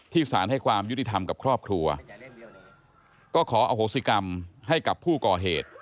สารให้ความยุติธรรมกับครอบครัวก็ขออโหสิกรรมให้กับผู้ก่อเหตุ